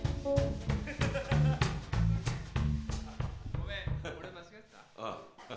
ごめん俺間違えた？